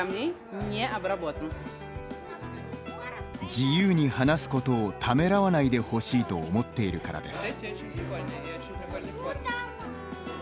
自由に話すことをためらわないでほしいと思っているからです。